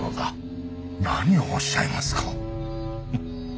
何をおっしゃいますか。